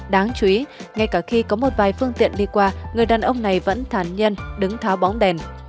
đáng chú ý ngay cả khi có một vài phương tiện đi qua người đàn ông này vẫn thản nhân đứng tháo bóng đèn